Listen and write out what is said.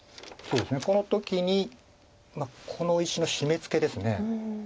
この時にこの石のシメツケです。